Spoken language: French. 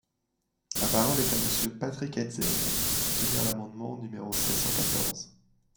La parole est à Monsieur Patrick Hetzel, pour soutenir l’amendement numéro sept cent quatorze.